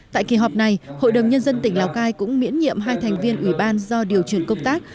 tại kỳ họp này hội đồng nhân dân tỉnh lào cai cũng miễn nhiệm hai thành viên ủy ban do điều chuyển công tác